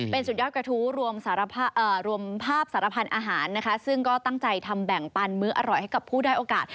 เป็นสุดยอดกระทู้รวมภาพสารพันธ์อาหารนะคะซึ่งก็ตั้งใจทำแบ่งปันมื้ออร่อยให้กับผู้ได้โอกาส